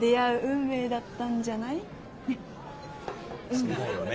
そうだよね。